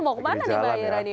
mau kemana nih mbak irani